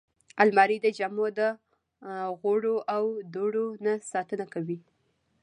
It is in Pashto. الماري د جامو د غوړو او دوړو نه ساتنه کوي